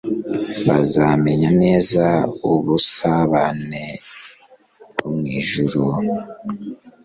bazamenya neza ubusabane bwo mwijuru